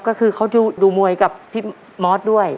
ก็คือเขาดูมวยกับพี่มอสด้วย